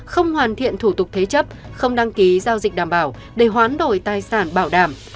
không hoàn thiện thủ tục thế chấp không đăng ký giao dịch đảm bảo để hoán đổi tài sản bảo đảm